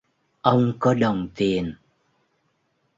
Ông có đồng tiền